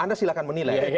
anda silahkan menilai